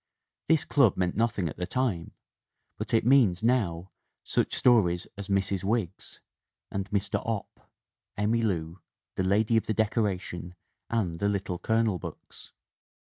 This club meant nothing at the time, but it means, now, such stories as Mrs. Wiggs and Mr. Opp, Emmy Lou, The Lady of the Decoration and the Little Colonel books.